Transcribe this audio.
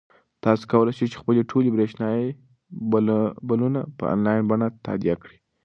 تاسو کولای شئ چې خپلې ټولې برېښنايي بلونه په انلاین بڼه تادیه کړئ.